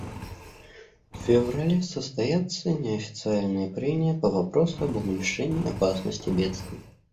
В феврале состоятся неофициальные прения по вопросу об уменьшении опасности бедствий.